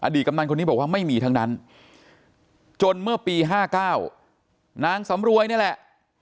กำนันคนนี้บอกว่าไม่มีทั้งนั้นจนเมื่อปี๕๙นางสำรวยนี่แหละ